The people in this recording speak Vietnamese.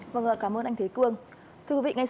vâng ạ cảm ơn anh thế cương